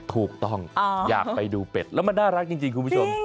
ถูกต้องอยากไปดูเป็ดแล้วมันน่ารักจริงคุณผู้ชม